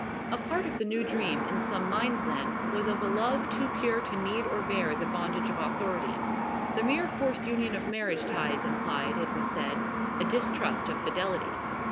A part of the new dream in some minds then was of a love too pure to need or bear the bondage of authority. The mere forced union of marriage ties implied, it was said, a distrust of fidelity.